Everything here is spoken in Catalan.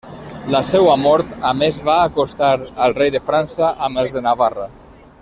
La seua mort a més va acostar al rei de França amb els de Navarra.